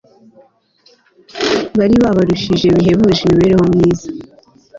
bari babarushije bihebuje imibereho myiza